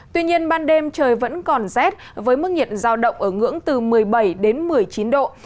tuy nhiên ban đêm trời vẫn còn rét với mức nhiệt giao động ở ngưỡng từ một mươi bảy đến một mươi chín độ